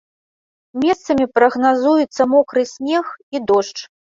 Месцамі прагназуецца мокры снег і дождж.